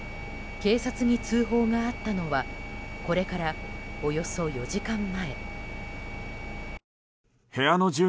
警察に通報があったのはこれからおよそ４時間前。